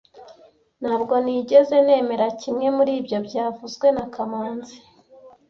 Ntabwo nigeze nemera kimwe muri ibyo byavuzwe na kamanzi